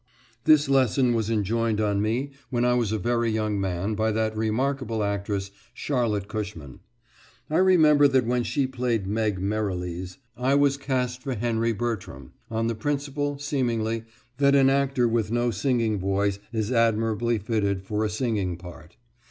This lesson was enjoined on me when I was a very young man by that remarkable actress, Charlotte Cushman. I remember that when she played Meg Merrilies I was cast for Henry Bertram, on the principle, seemingly, that an actor with no singing voice is admirably fitted for a singing part.